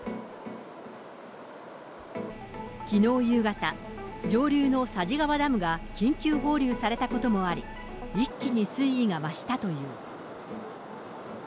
きのう夕方、上流の佐治川ダムが緊急放流されたこともあり、一気に水位が増したという。